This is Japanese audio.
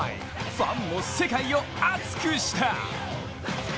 ファンも世界を熱くした！